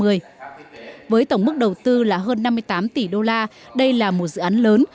khai thác toàn tuyến vào năm hai nghìn năm mươi với tổng mức đầu tư là hơn năm mươi tám tỷ đô la đây là một dự án lớn